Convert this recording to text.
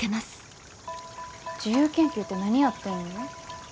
自由研究って何やってんの？